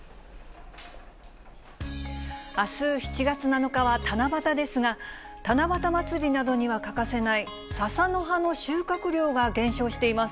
あす７月７日は七夕ですが、七夕祭りなどには欠かせない笹の葉の収穫量が減少しています。